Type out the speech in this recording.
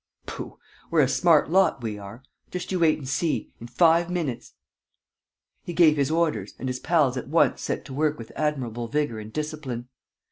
"Pooh, we're a smart lot, we are! Just you wait and see. In five minutes ..." He gave his orders and his pals at once set to work with admirable vigor and discipline.